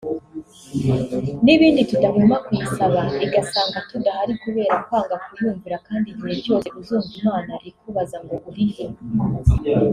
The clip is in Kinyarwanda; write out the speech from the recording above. n'ibindi tudahwema kuyisaba) igasanga tudahari kubera kwanga kuyumvira kandi igihe cyose uzumva Imana ikubaza ngo uri he